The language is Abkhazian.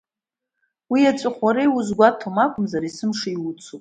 Уеиҵәахә уара иузгәаҭом акәымзар, есымша иуцуп.